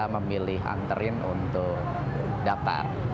memilih antarin untuk daftar